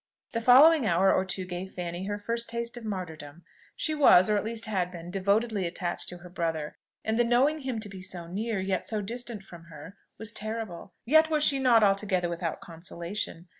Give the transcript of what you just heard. The following hour or two gave Fanny her first taste of martyrdom. She was, or at least had been, devotedly attached to her brother, and the knowing him to be so near, yet so distant from her, was terrible. Yet was she not altogether without consolation.